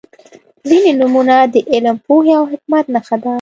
• ځینې نومونه د علم، پوهې او حکمت نښه ده.